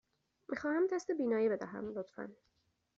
می خواهم تست بینایی بدهم، لطفاً.